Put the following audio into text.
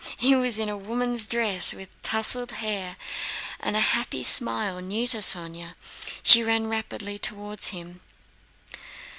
He was in a woman's dress, with tousled hair and a happy smile new to Sónya. She ran rapidly toward him.